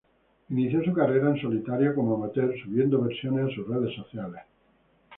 Inició su carrera en solitario como amateur subiendo versiones a sus redes sociales.